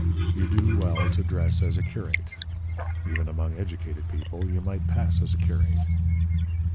You do well to dress as a curate. Even among educated people you might pass as a curate."